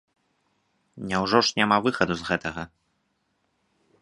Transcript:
Няўжо ж няма выхаду з гэтага?